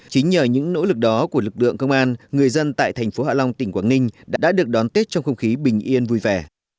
chính nhờ những nỗ lực đó của lực lượng công an người dân tại thành phố hạ long tỉnh quảng ninh đã được đón tết trong không khí bình yên vui vẻ